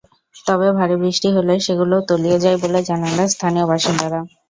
তবে ভারী বৃষ্টি হলে সেগুলোও তলিয়ে যায় বলে জানালেন স্থানীয় বাসিন্দারা।